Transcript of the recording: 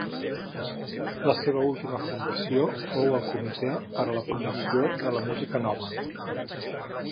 La seva última fundació fou el Comitè per a la Promoció de la Música Nova.